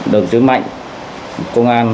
đồng chí mạnh công an